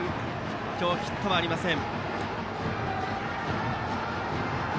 今日ヒットはありません。